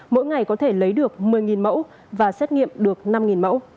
mỗi ngày có thể lấy được một mươi mẫu và xét nghiệm được năm mẫu